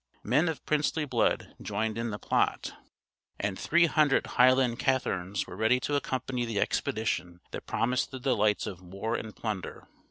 Men of princely blood joined in the plot, and 300 Highland catherans were ready to accompany the expedition that promised the delights of war and plunder.